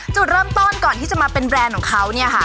จุดเริ่มต้นก่อนที่จะมาเป็นแบรนด์ของเขาเนี่ยค่ะ